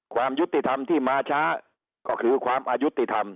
ความยุติธรรมที่มาช้าก็คือความอายุติธรรม